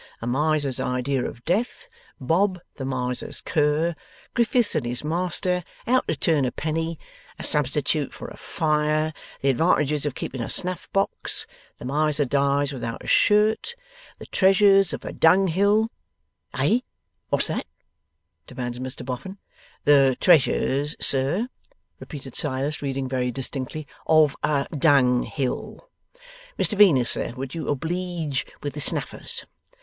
A Miser's Idea of Death. Bob, the Miser's cur. Griffiths and his Master. How to turn a penny. A substitute for a Fire. The Advantages of keeping a Snuff box. The Miser dies without a Shirt. The Treasures of a Dunghill "' 'Eh? What's that?' demanded Mr Boffin. '"The Treasures," sir,' repeated Silas, reading very distinctly, '"of a Dunghill." Mr Venus, sir, would you obleege with the snuffers?